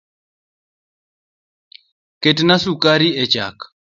Ketna sukari echak